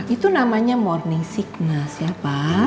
itu namanya morning sickness ya pak